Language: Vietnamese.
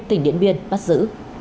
tỉnh điện biên bắt giữ